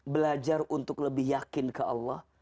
belajar untuk lebih yakin ke allah